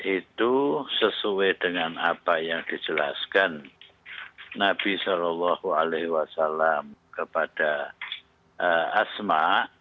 itu sesuai dengan apa yang dijelaskan nabi saw kepada asma